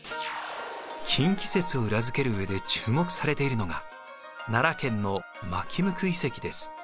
近畿説を裏付ける上で注目されているのが奈良県の纏向遺跡です。